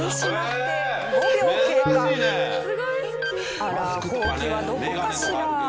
あらホウキはどこかしら？